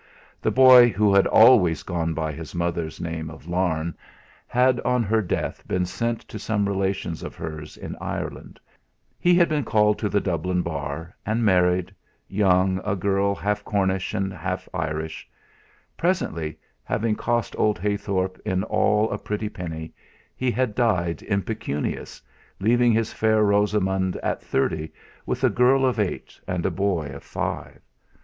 The boy, who had always gone by his mother's name of Larne, had on her death been sent to some relations of hers in Ireland, and there brought up. He had been called to the Dublin bar, and married, young, a girl half Cornish and half Irish; presently, having cost old Heythorp in all a pretty penny, he had died impecunious, leaving his fair Rosamund at thirty with a girl of eight and a boy of five.